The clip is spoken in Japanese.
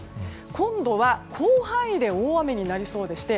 今度は広範囲で大雨になりそうでして